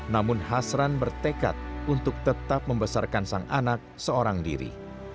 namun hasran bertekad untuk tetap membesarkan sang anak seorang diri